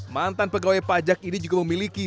mantan pegawai pajak ini juga memiliki